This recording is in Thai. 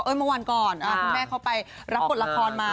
เมื่อวันก่อนคุณแม่เขาไปรับบทละครมา